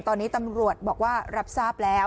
ตอนนี้ตำรวจบอกว่ารับทราบแล้ว